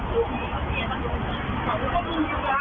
ก็มีรักตัวใหญ่ใกล้